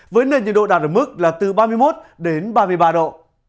với nền nhiệt độ đạt ở mức là từ ba mươi một đến ba mươi ba độ